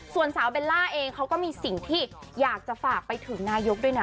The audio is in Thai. ส่วนสาวเบลล่าเองเขาก็มีสิ่งที่อยากจะฝากไปถึงนายกด้วยนะ